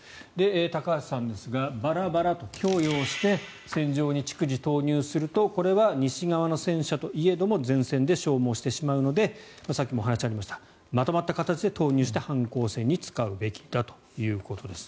高橋さんですがバラバラと供与をして戦場に逐次投入するとこれは西側の戦車といえども前線で消耗してしまうのでさっきもお話ありましたまとまった形で投入して反攻戦に使うべきだということです。